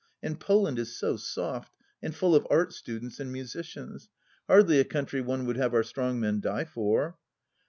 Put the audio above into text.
And Poland is so soft, and full of Art Students and musicians ; hardly a country one would have our strong men die for